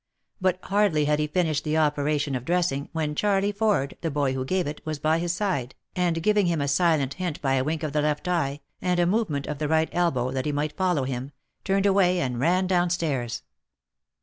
But hardly had he finished the operation of dressing, when Charley Ford, the boy who gave it, was by his side, and giving him a silent hint by a wink of the left eye, and a movement of the right elbow that he might follow him, turned away, and ran down stairs.